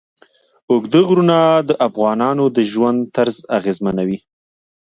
اوږده غرونه د افغانانو د ژوند طرز اغېزمنوي.